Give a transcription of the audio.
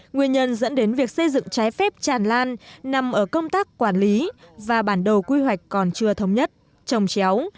nguyên nhân dẫn đến việc xây dựng trái phép tràn lan nằm ở công tác quản lý và bản đồ quy hoạch còn chưa thống nhất trồng chéo